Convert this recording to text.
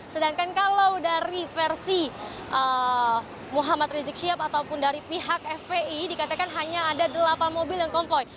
sedangkan kalau dari versi muhammad rizik syihab ataupun dari pihak fpi dikatakan hanya ada delapan mobil yang kompoi